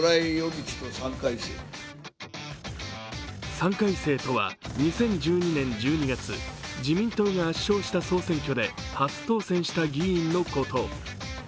３回生とは、２０１２年１２月自民党が圧勝した総選挙で初当選した議員のこと。